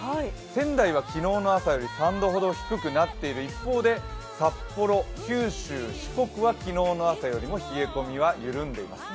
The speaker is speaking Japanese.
仙台は昨日の朝より３度ほど低くなっている一方で札幌、九州、四国は昨日の朝よりも冷え込みは緩んでいます。